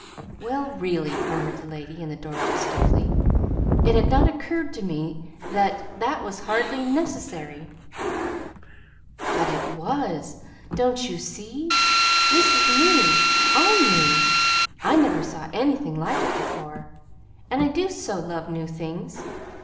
"Well, really," murmured the lady in the doorway, stiffly, "it had not occurred to me that that was hardly necessary." "But it was! don't you see? This is new, all new. I never saw anything like it before; and I do so love new things.